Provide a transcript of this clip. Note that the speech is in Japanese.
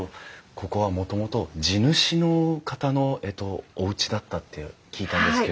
ここはもともと地主の方のえっとおうちだったって聞いたんですけれども。